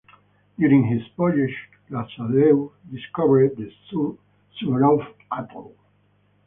During this voyage, Lazarev discovered the Suvorov Atoll.